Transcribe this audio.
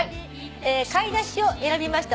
「買い出し」を選びました